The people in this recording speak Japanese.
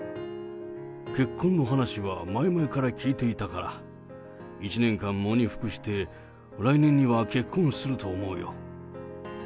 結婚の話は前々から聞いていたから、１年間喪に服して、来年には結婚すると思うよ。